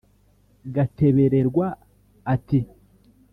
Gatebererwa ati